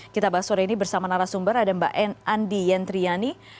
kita bahas sore ini bersama narasumber ada mbak anne andi yentriani